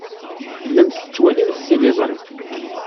Tellamt tettwalimt tiliẓri.